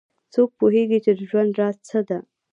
څوک پوهیږي چې د ژوند راز څه ده